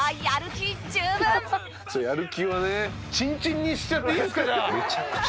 「やる気はね」